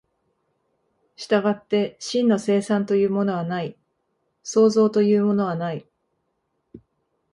従って真の生産というものはない、創造というものはない。